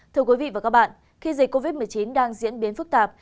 thưa quý vị và các bạn khi dịch covid một mươi chín đang diễn biến phức tạp